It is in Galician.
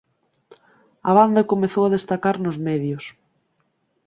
A banda comezou a destacar nos medios.